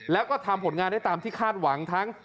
แล้วก็ทำผลงานได้ตามที่คาดหวังทั้ง